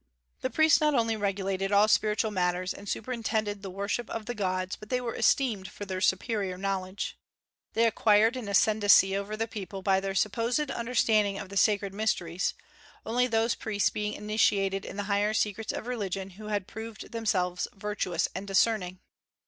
The priests not only regulated all spiritual matters and superintended the worship of the gods, but they were esteemed for their superior knowledge. They acquired an ascendency over the people by their supposed understanding of the sacred mysteries, only those priests being initiated in the higher secrets of religion who had proved themselves virtuous and discerning.